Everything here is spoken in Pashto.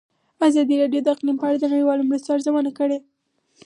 ازادي راډیو د اقلیم په اړه د نړیوالو مرستو ارزونه کړې.